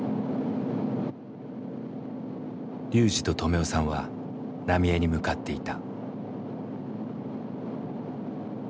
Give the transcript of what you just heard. ＲＹＵＪＩと止男さんは浪江に向かっていた。